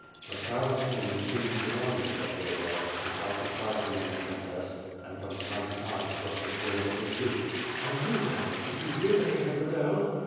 A crowd of men soon surounded Zagloba, who sat beside the young princess, and from time to time struck the strings of his lute. "And you, daddy, did you hear that they had rebelled?"